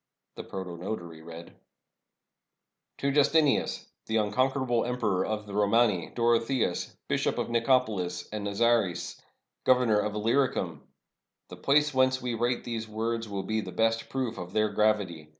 The protonotary read :— "To Justinianus, the unconquerable Emperor of the Romani, Dorotheos, Bishop of NicopoHs, and Nazares, Governor of Illyricum. The place whence we write these words will be the best proof of their gravity.